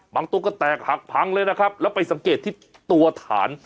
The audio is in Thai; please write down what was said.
ตัวก็แตกหักพังเลยนะครับแล้วไปสังเกตที่ตัวฐาน